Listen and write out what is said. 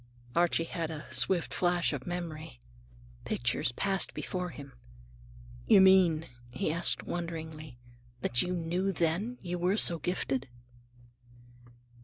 Archie had a swift flash of memory. Pictures passed before him. "You mean," he asked wonderingly, "that you knew then that you were so gifted?"